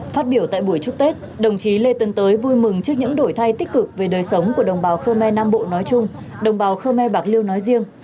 phát biểu tại buổi chúc tết đồng chí lê tân tới vui mừng trước những đổi thay tích cực về đời sống của đồng bào khơ me nam bộ nói chung đồng bào khơ me bạc liêu nói riêng